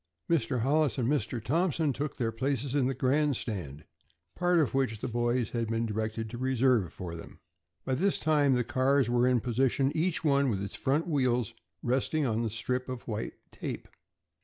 Mr. Hollis and Mr. Thompson took their places in the grandstand, part of which the boys had been directed to reserve for them. By this time the cars were in position, each one with its front wheels resting on the strip of white tape.